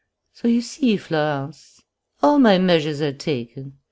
"So you see, Florence, all my measures are taken.